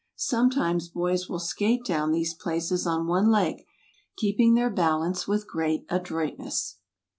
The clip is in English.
Sometimes boys will skait down these places on one leg, keeping their balance with great adroitness.